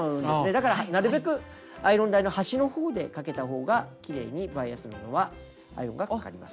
だからなるべくアイロン台の端のほうでかけたほうがきれいにバイアス布はアイロンがかかります。